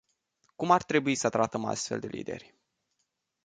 Cum ar trebui să tratăm astfel de lideri?